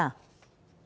câu hỏi thứ ba